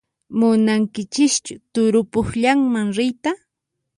Munankichischu turupukllayman riyta?